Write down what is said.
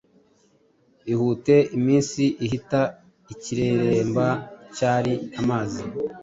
Ihute iminsi ihita ikireremba cyari amazi